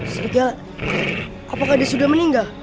sepertinya apakah dia sudah meninggal